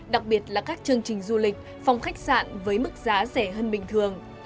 đặc biệt là các chương trình du lịch phòng khách sạn với mức giá rẻ hơn bình thường